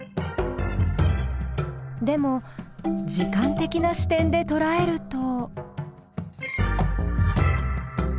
でも時間的な視点でとらえると。